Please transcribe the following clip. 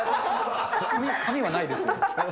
髪がないですね。